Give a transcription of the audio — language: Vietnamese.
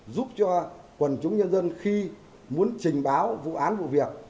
giúp cho quần chúng nhân dân khi muốn trình báo vụ án vụ việc